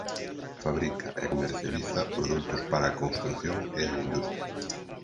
Fabrica e comercializa produtos para a construción e a industria.